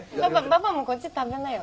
パパもこっち食べなよ。